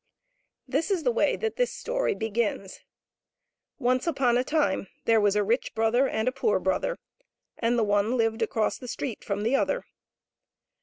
X. HIS is the way that this story begins: Once upon a time there was a rich brother and a poor brother, and the one lived across the street from the other.